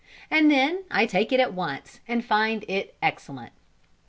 And then I take it at once, and find it excellent.